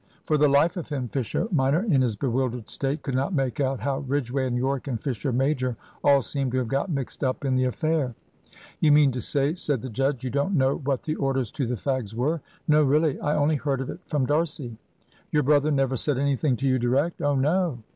For the life of him, Fisher minor, in his bewildered state, could not make out how Ridgway, and Yorke, and Fisher major all seemed to have got mixed up in the affair. "You mean to say," said the judge, "you don't know what the orders to the fags were?" "No, really I only heard of it from D'Arcy." "Your brother never said anything to you direct!" "Oh no."